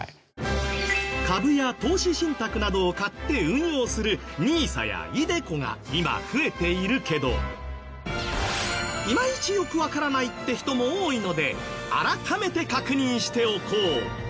株や投資信託などを買って運用するＮＩＳＡやｉＤｅＣｏが今増えているけどいまいちよくわからないって人も多いので改めて確認しておこう。